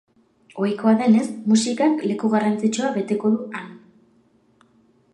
Ohikoa denez, musikak leku garrantzitsua beteko du han.